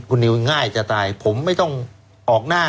คุณนิวง่ายจะตายผมไม่ต้องออกหน้า